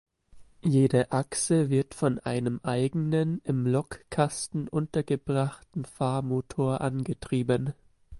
Jede Achse wird von einem eigenen im Lokkasten untergebrachten Fahrmotor angetrieben.